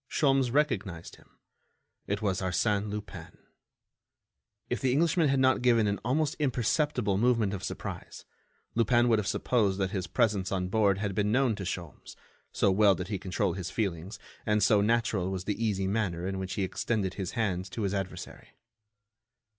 Sholmes recognized him—it was Arsène Lupin. If the Englishman had not given an almost imperceptible movement of surprise, Lupin would have supposed that his presence on board had been known to Sholmes, so well did he control his feelings and so natural was the easy manner in which he extended his hand to his adversary.